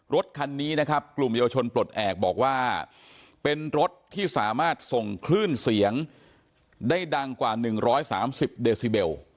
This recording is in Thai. รถคันนี้นะครับกลุ่มเยาวชนปลดแอบบอกว่าเป็นรถที่สามารถส่งคลื่นเสียงได้ดังกว่า๑๓๐เดซิเบล